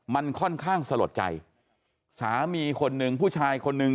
มันค่อนข้างสลดใจสามีคนหนึ่งผู้ชายคนหนึ่ง